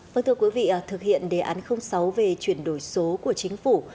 vâng thưa quý vị thực hiện đề án sáu về chuyển đổi số của chính phủ